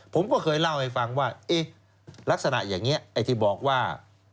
ผมก็เคยเล่าให้ฟังว่าเอ๊ะลักษณะอย่างนี้ไอ้ที่บอกว่า